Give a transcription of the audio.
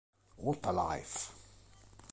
What a Life!